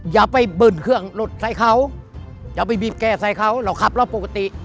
อย่าไปเบิ้ลเครื่องรถใส่เขาอย่าไปบีบแก่ใส่เขาเราขับรถปกติ